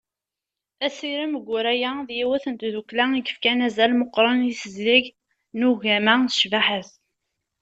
Asirem Guraya d yiwet n tdukkla i yefkan azal meqqren i tezdeg n ugema d ccbaḥa-s.